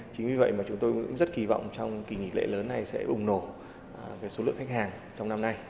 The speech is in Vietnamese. chính vì vậy mà chúng tôi cũng rất kỳ vọng trong kỳ nghỉ lễ lớn này sẽ bùng nổ số lượng khách hàng trong năm nay